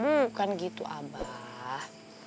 bukan gitu abah